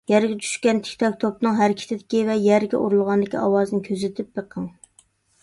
يەرگە چۈشكەن تىكتاك توپنىڭ، ھەرىكىتىدىكى ۋە يەرگە ئۇرۇلغاندىكى ئاۋازىنى كۆزىتىپ بېقىڭ.